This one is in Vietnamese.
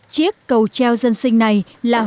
chiếc cầu treo dân sinh này là huyết mạch dân sinh